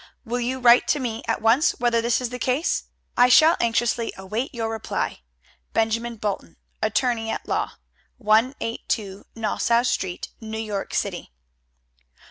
Will you write to me at once whether this is the case? I shall anxiously await your reply. Benjamin Bolton, Attorney at Law. 182 Nassau Street, New York City.